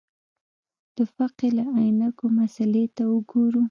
د فقهې له عینکو مسألې ته وګورو.